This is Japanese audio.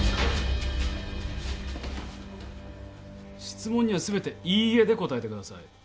質問には全て「いいえ」で答えてください。